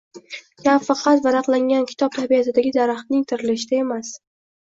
Gap faqat varaqlangan kitob tabiatidagi daraxtning tirilishida emas.